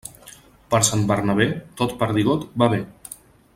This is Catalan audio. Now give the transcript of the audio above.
Per Sant Bernabé, tot perdigot va bé.